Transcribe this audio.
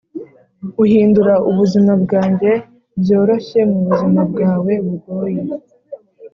uhindura ubuzima bwanjye byoroshye mubuzima bwawe bugoye.